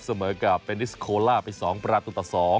เสมอกับเบนิสโคล่าไป๒ประตูต่อ๒